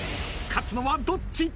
［勝つのはどっち？］